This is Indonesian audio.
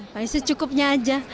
paling secukupnya saja